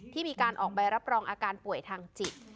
ที่มีการออกใบรับรองอาการป่วยทางจิต